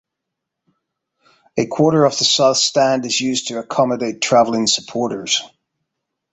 A quarter of the South Stand is used to accommodate travelling supporters.